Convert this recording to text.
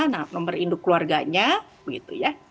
nah nomor induk keluarganya begitu ya